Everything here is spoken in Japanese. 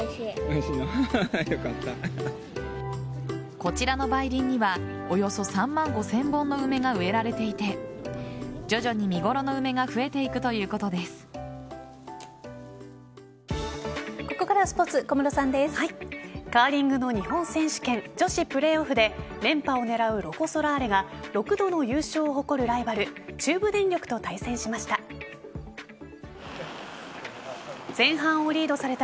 こちらの梅林にはおよそ３万５０００本の梅が植えられていて徐々に見頃の梅がここからはスポーツカーリングの日本選手権女子プレーオフで連覇を狙うロコ・ソラーレが６度の優勝を誇るライバル中部電力と対戦しました。